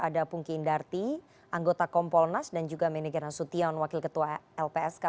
ada pungki indarti anggota kompolnas dan juga menega nasution wakil ketua lpsk